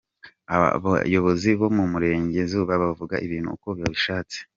Abayobozi bo mu burengezuba bavuga ibintu uko babishatse